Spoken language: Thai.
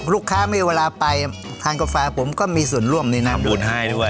ลูกค้ามีเวลาไปทางกับเฟ้าผมก็มีส่วนร่วมในนั่งด้วย